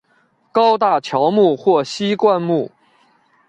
高大乔木或稀灌木。